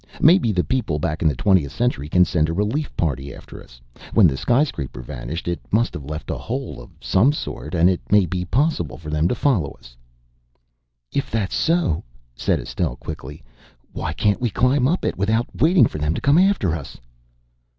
Maybe the people back in the twentieth century can send a relief party after us. When the skyscraper vanished it must have left a hole of some sort, and it may be possible for them to follow us down." "If that's so," said Estelle quickly, "why can't we climb up it without waiting for them to come after us?"